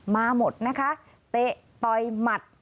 มาหมดนะคะเตะต่อยหมัด